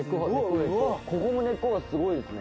ここも根っこがすごいですね。